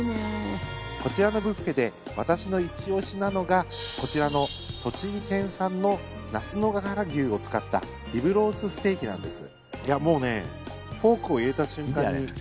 こちらのブッフェで私のイチ押しなのがこちらの栃木県産の那須野が原牛を使ったリブロースステーキなんです。